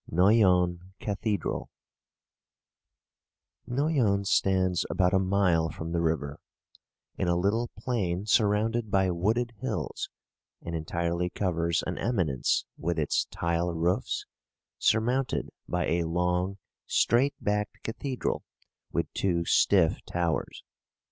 NOYON CATHEDRAL NOYON stands about a mile from the river, in a little plain surrounded by wooded hills, and entirely covers an eminence with its tile roofs, surmounted by a long, straight backed cathedral with two stiff towers.